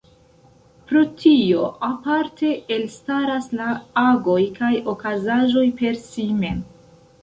Pro tio aparte elstaras la agoj kaj okazaĵoj per si mem.